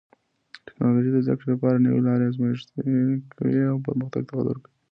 ټکنالوژي د زده کړې لپاره نوې لارې ازمېښتي کوي او پرمختګ ته وده ورکوي.